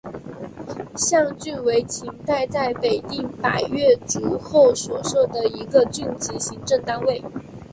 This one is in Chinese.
象郡为秦代在平定百越族后所设的一个郡级行政单位。